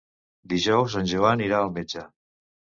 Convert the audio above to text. Dijous en Joan irà al metge.